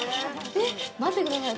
待ってください。